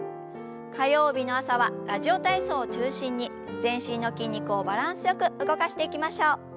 火曜日の朝は「ラジオ体操」を中心に全身の筋肉をバランスよく動かしていきましょう。